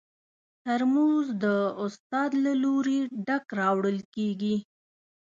ترموز د استاد له لوري ډک راوړل کېږي.